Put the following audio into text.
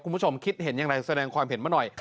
คุณผู้ชมคิดเห็นอย่างไรแสดงความเห็นมาหน่อย